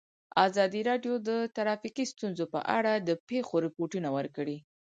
ازادي راډیو د ټرافیکي ستونزې په اړه د پېښو رپوټونه ورکړي.